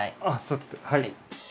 はい。